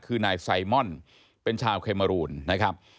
คือนายไซมอนเป็นชาวเคเมอรูนนะครับ